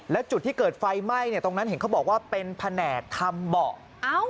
แล้วจุดที่เกิดไฟไหม้ตรงนั้นเห็นเขาบอกว่าเป็นแผนกทำเบาะ